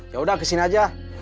yaudah kesini aja